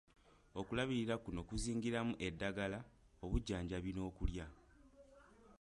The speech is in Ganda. Okulabirira kuno kuzingiramu eddagala, obujjanjabi n'okulya.